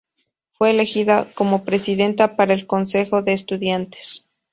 Fue elegida como presidenta para el Consejo de Estudiantes.